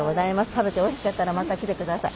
食べておいしかったらまた来て下さい。